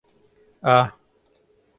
ئا.